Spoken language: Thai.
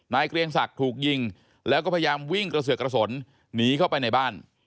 เกรียงศักดิ์ถูกยิงแล้วก็พยายามวิ่งกระเสือกกระสนหนีเข้าไปในบ้าน